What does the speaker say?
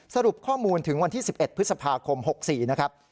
สรุปข้อมูลถึงวันที่๑๑พฤษภาคม๖๔นะครับ